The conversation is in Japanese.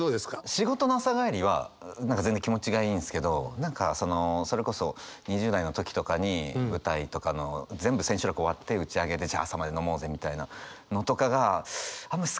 仕事の朝帰りは何か全然気持ちがいいんですけど何かそのそれこそ２０代の時とかに舞台とかの全部千秋楽終わって打ち上げでじゃあ朝まで飲もうぜみたいなのとかがあんま好きじゃないというか。